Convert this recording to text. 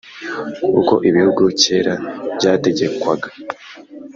uko ibihugu kera byategekwaga.